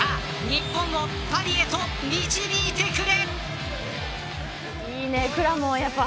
さあ、日本をパリへと導いてくれ。